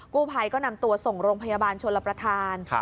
กู้ภัยก็นำตัวส่งโรงพยาบาลชนรับประทาน